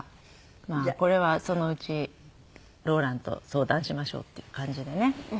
まあこれはそのうちローランと相談しましょうっていう感じでね。